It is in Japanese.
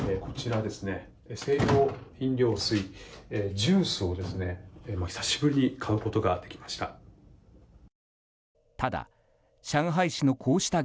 清涼飲料水、ジュースを久しぶりに買うことができました。